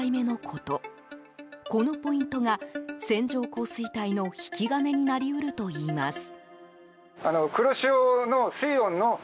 このポイントが線状降水帯の引き金になり得るといいます。